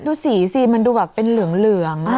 ดูสีสิมันดูแบบเป็นเหลือง